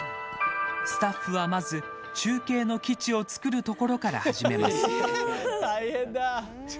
スタッフはまず、中継の基地を作るところから始めます。